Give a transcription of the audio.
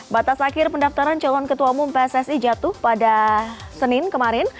batas akhir pendaftaran calon ketua umum pssi jatuh pada senin kemarin